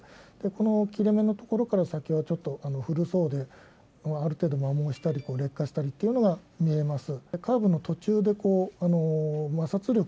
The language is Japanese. この切れ目のところから先はちょっと古そうで、ある程度摩耗したり劣化したりというのが見えます。